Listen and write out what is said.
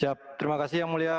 siap terima kasih yang mulia